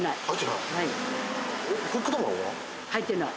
入ってない？